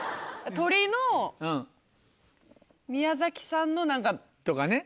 鶏の宮崎産の何か。とかね